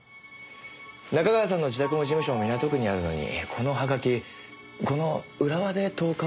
仲川さんの自宅も事務所も港区にあるのにこのはがきこの浦和で投函されてるんです。